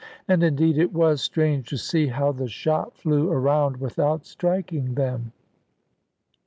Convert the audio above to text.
And indeed it was strange to see how the shot flew around without striking them.